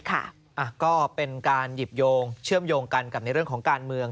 ค่ะก็เป็นการหยิบโยงเชื่อมโยงกันกับในเรื่องของการเมือง